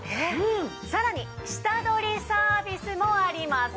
さらに下取りサービスもあります。